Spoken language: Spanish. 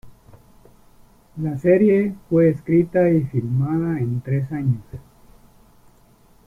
La serie fue escrita y filmada en tres años.